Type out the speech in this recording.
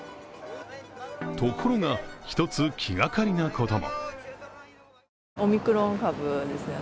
ところが、１つ気がかりなことも。